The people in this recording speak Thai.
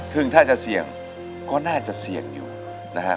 ซึ่งถ้าจะเสี่ยงก็น่าจะเสี่ยงอยู่นะฮะ